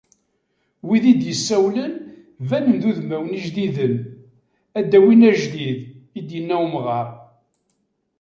Wid i d-issawlen, banen d udmawen ijdiden, ad d-awin ajdid i d-yenna umɣar.